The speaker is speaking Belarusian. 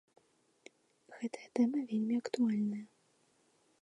Гэтая тэма вельмі актуальная.